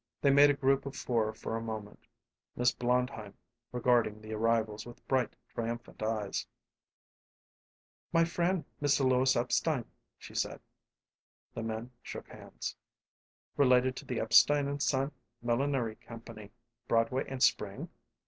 They made a group of four for a moment, Miss Blondheim regarding the arrivals with bright, triumphant eyes. "My friend, Mr. Louis Epstein," she said. The men shook hands. "Related to the Epstein & Son Millinery Company, Broadway and Spring?"